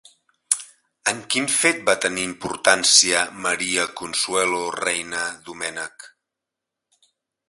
En quin fet va tenir importància Maria Consuelo Reyna Doménech?